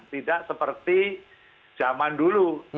tidak seperti zaman dulu